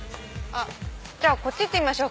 じゃあこっち行ってみましょう。